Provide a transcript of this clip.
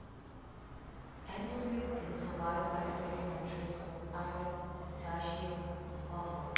Endoliths can survive by feeding on traces of iron, potassium, or sulfur.